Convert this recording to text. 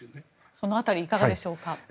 その辺りいかがでしょうか。